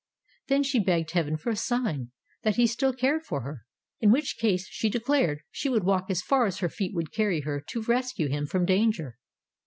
Then she begged Heaven for a sign that he still cared for her. In which case, she declared, she would walk as far as her feet would carry her to rescue him from danger.